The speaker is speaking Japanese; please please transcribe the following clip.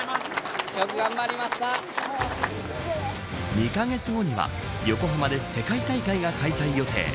２カ月後には、横浜で世界大会が開催予定。